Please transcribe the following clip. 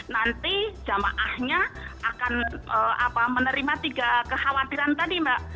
nanti jamaahnya akan menerima tiga kekhawatiran tadi mbak